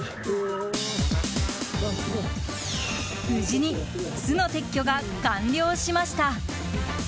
無事に巣の撤去が完了しました。